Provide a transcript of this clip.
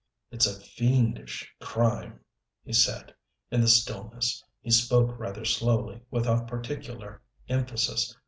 "It's a fiendish crime," he said in the stillness. He spoke rather slowly, without particular emphasis.